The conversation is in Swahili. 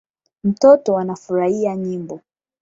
Mtoto anafurahia nyimbo